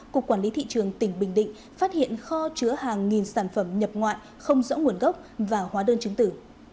cục quản lý thị trường tỉnh bình định phát hiện kho chứa hàng nghìn sản phẩm nhập ngoại không rõ nguồn gốc và hóa đơn chứng tử